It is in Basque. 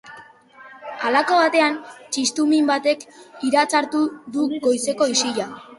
Halako batean, txistu min batek iratzartu du goizeko isila.